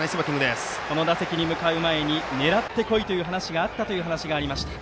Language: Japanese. この打席に向かう前に狙ってこいという話があったとありました。